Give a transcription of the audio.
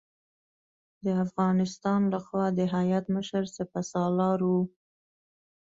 د افغانستان له خوا د هیات مشر سپه سالار و.